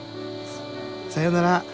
さようなら。